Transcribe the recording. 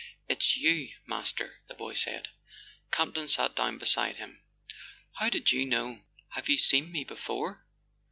"It's you, Master!" the boy said. Campton sat down beside him. "How did you know ? Have you seen me before